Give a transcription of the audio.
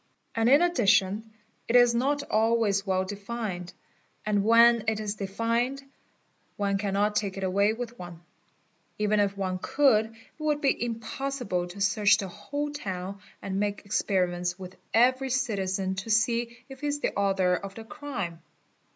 And in addition it is not always well defined and when it is defined one cannot take it away with one; even if one could, it would be impossible to search the whole town and make experiments with every citizen to see if he is the author of the crime.